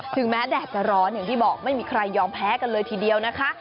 ถึงแม้แดดจะร้อนอย่างที่บอกไม่มีใครยอมแพ้กันเลยทีเดียวนะคะ